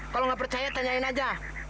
kalo gak percaya tanyain aja